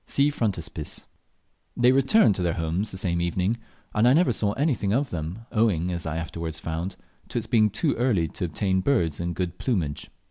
(See Frontispiece.) They returned to their homes the same evening, and I never saw anything more of them, owing, as I afterwards found, to its being too early to obtain birds in good plumage.